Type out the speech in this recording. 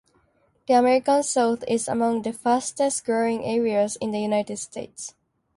The American South is among the fastest-growing areas in the United States.